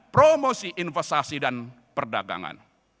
promosi investasi dan perdagangan